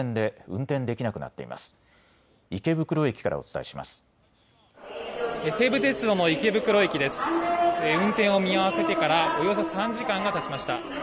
運転を見合わせてからおよそ３時間がたちました。